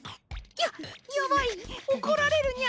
ややばいおこられるニャ。